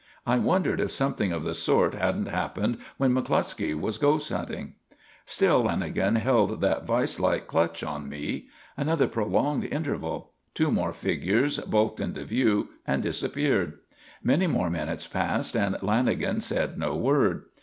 I wondered if something of the sort hadn't happened when McCluskey was ghost hunting. Still Lanagan held that vice like clutch on me. Another prolonged interval. Two more figures bulked into view and disappeared. Many more minutes passed and Lanagan said no word.